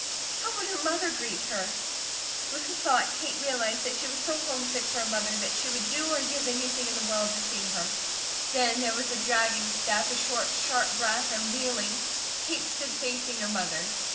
How would her mother greet her? With the thought, Kate realized that she was so homesick for her mother that she would do or give anything in the world to see her. Then there was a dragging step, a short, sharp breath, and wheeling, Kate stood facing her mother.